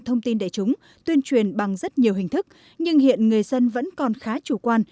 thông tin đại chúng tuyên truyền bằng rất nhiều hình thức nhưng hiện người dân vẫn còn khá chủ quan